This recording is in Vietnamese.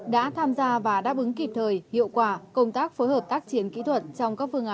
đã tham gia và đáp ứng kịp thời hiệu quả công tác phối hợp tác chiến kỹ thuật trong các phương án